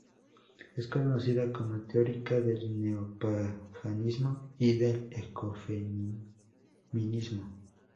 Es conocida como teórica del neopaganismo y del ecofeminismo.